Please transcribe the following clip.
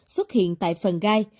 xuất hiện tại phần gai